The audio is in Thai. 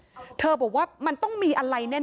แต่เธอก็ไม่ละความพยายาม